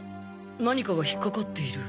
何かが引っかかっている。